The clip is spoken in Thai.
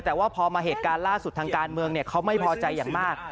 แต่ว่าพอมาเหตุการณ์ล่าสุดทางการเมืองเขาไม่พอใจอย่างมาก